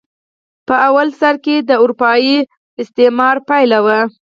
په لومړي سر کې د اروپايي استعمار پایله وه.